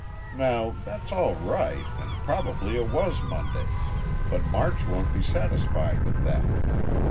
Now, that's all right, and probably it was Monday, but March won't be satisfied with that.